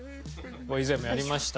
以前もやりましたね。